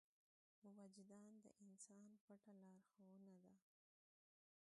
وجدان د انسان پټه لارښوونه ده.